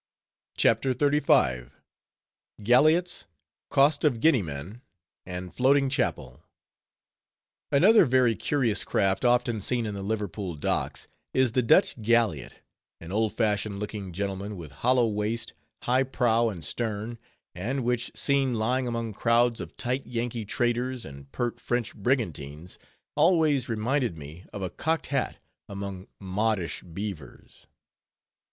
CHAPTER XXXV. GALLIOTS, COAST OF GUINEA MAN, AND FLOATING CHAPEL Another very curious craft often seen in the Liverpool docks, is the Dutch galliot, an old fashioned looking gentleman, with hollow waist, high prow and stern, and which, seen lying among crowds of tight Yankee traders, and pert French brigantines, always reminded me of a cocked hat among modish beavers.